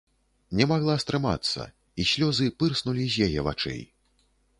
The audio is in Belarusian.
Не магла стрымацца, і слёзы пырснулі з яе вачэй.